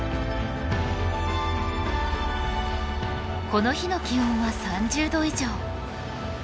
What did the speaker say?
この日の気温は３０度以上。